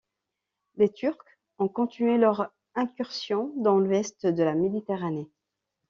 Les Turcs ont continué leurs incursions dans l'ouest de la Méditerranée.